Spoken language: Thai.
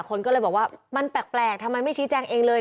คนก็เลยบอกว่ามันแปลกทำไมไม่ชี้แจงเองเลย